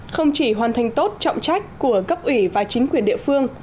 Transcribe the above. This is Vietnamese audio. không chỉ hoàn thành tốt trọng trách của cấp ủy và chính quyền địa phương